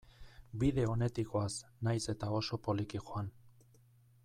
Bide onetik goaz, nahiz eta oso poliki joan.